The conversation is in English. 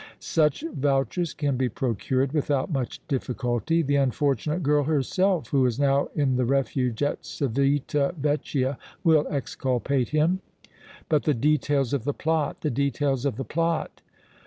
"Such vouchers can be procured without much difficulty. The unfortunate girl herself, who is now in the Refuge at Civita Vecchia, will exculpate him." "But the details of the plot, the details of the plot!"